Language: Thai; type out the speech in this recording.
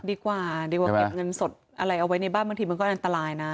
ดีกว่าดีกว่าเก็บเงินสดอะไรเอาไว้ในบ้านบางทีมันก็อันตรายนะ